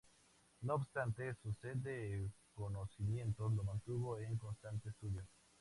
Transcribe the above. No obstante, su sed de conocimientos lo mantuvo en constante estudio.